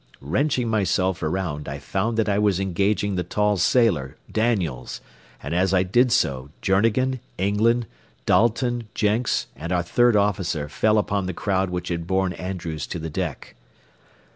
Wrenching myself around, I found that I was engaging the tall sailor, Daniels, and as I did so, Journegan, England, Dalton, Jenks, and our third officer fell upon the crowd which had borne Andrews to the deck.